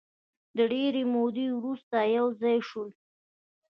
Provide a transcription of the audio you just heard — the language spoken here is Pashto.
د ډېرې مودې وروسته یو ځای شول.